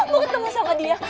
mau ketemu sama dia